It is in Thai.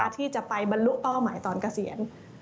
ที่จะไปบรรลุเป้าหมายตอนเกษียณ